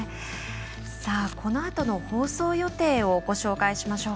このあとの放送予定をご紹介します。